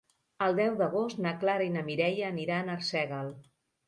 El deu d'agost na Clara i na Mireia aniran a Arsèguel.